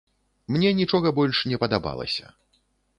Мне нічога больш не падабалася.